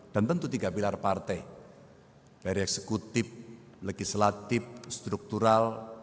tentu tiga pilar partai dari eksekutif legislatif struktural